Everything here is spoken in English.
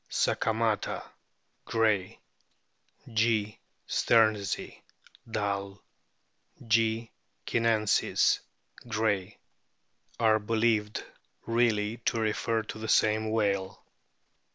sakamata, Gray ; G. stearnsi, Dall ; G. c/iinensis, Gray, are believed really to refer to the same whale.